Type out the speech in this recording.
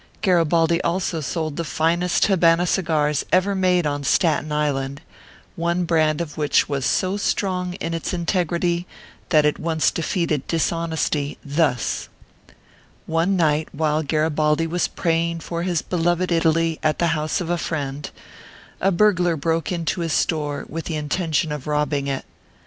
Garibaldi also sold the finest Habana cigars ever made on Staten Island, one brand of which was so strong in its integrity that it once defeated dishonesty, thus : One night, while Garibaldi was praying for his be loved Italy, at the house of a friend, a burglar broke into his store, with the intention of robbing it.